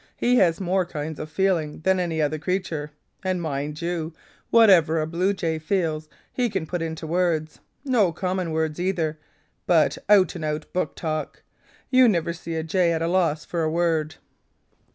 He has more kinds of feeling than any other creature; and mind you, whatever a bluejay feels, he can put into words. No common words either, but out and out book talk. You never see a jay at a loss for a word.